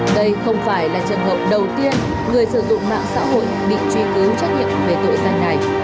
đây không phải là trường hợp đầu tiên người sử dụng mạng xã hội bị truy cứu trách nhiệm về tội danh này